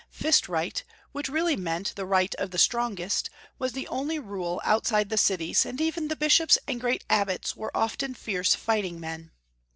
Fist right, which really meant the right of the strongest, was the only rule outside the cities, and even the bishops and great abbots were often fierce fighting men.